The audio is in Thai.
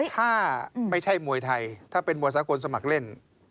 ถ้าไม่ใช่มวยไทยถ้าเป็นมวยสากลสมัครเล่น